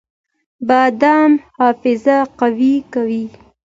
بادام حافظه قوي کوي